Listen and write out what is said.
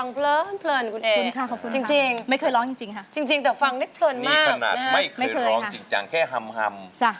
นี้ขนาดไม่เคยร้องจริงแค่ฮัม